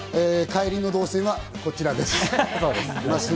帰りの動線はこちらです。